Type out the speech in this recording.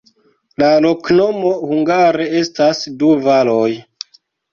La loknomo hungare estas: du valoj.